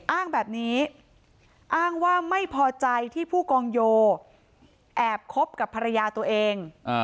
อ้างแบบนี้อ้างว่าไม่พอใจที่ผู้กองโยแอบคบกับภรรยาตัวเอง